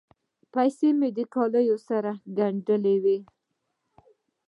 پیسې مې له کالیو سره ګنډلې وې.